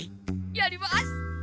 やります！